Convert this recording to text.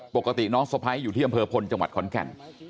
ปกติน้องสะพ้ายอยู่ที่อำเภอพลจังหวัดขอนแก่น